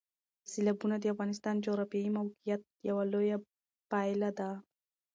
سیلابونه د افغانستان د جغرافیایي موقیعت یوه لویه پایله ده.